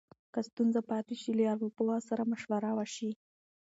که ستونزه پاتې شي، له ارواپوه سره مشوره وشي.